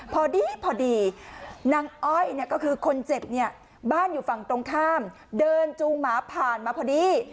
พอดีพอดีนางอ้อยเนี่ยก็คือคนเจ็บเนี่ยบ้านอยู่ฝั่งตรงข้ามเดินจูงหมาผ่านมาพอดี